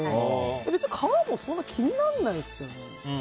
別に皮もそんなに気にならないですけどね。